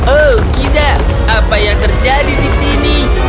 oh tidak apa yang terjadi di sini